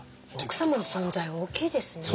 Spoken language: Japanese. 奥様の存在大きいですね。